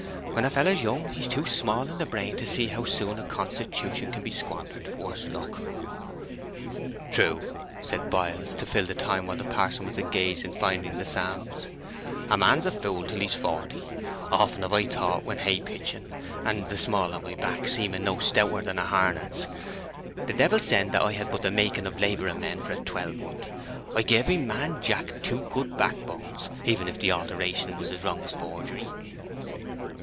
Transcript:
When a feller's young he's too small in the brain to see how soon a constitution can be squandered, worse luck!' 'True,' said Biles, to fill the time while the parson was engaged in finding the Psalms. 'A man's a fool till he's forty. Often have I thought, when hay pitching, and the small of my back seeming no stouter than a harnet's, "The devil send that I had but the making of labouring men for a twelvemonth!" I'd gie every man jack two good backbones, even if the alteration was as wrong as forgery.'